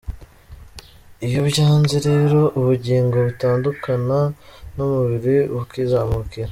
Iyo byanze rero Ubugingo butandukana n’umubiri bukizamukira.